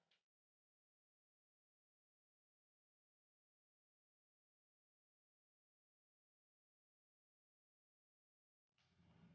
kayaknya makasih sih rumah